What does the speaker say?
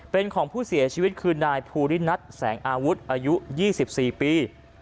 เป็นของผู้เสียชีวิตคือนายภูรินัทแสงอาวุธอายุ๒๔ปี